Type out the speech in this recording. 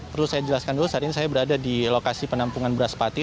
perlu saya jelaskan dulu saat ini saya berada di lokasi penampungan beras pati